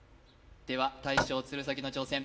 では大将鶴崎の挑戦